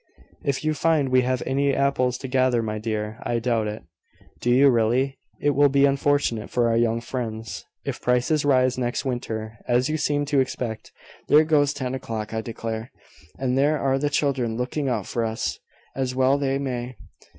"If you find we have any apples to gather, my dear. I doubt it." "Do you really? It will be unfortunate for our young friends, if prices rise next winter, as you seem to expect. There goes ten o'clock, I declare; and there are the children looking out for us, as well they may.